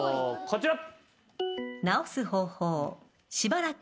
こちら。